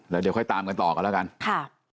แล้วเดี๋ยวค่อยตามกันต่อกันแล้วกันค่ะ